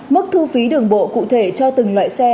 mức thu phí đường bộ cụ thể cho từng loại xe